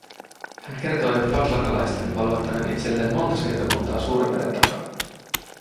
Hän kertoi fadlaqalaisten valloittaneen itselleen monta siirtokuntaa suuren meren takaa.